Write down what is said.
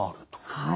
はい。